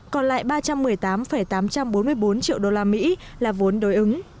còn lại ba trăm một mươi tám tám trăm bốn mươi bốn triệu đô la mỹ là vốn đối ứng